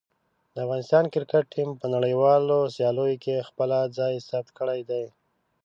د افغانستان کرکټ ټیم په نړیوالو سیالیو کې خپله ځای ثبت کړی دی.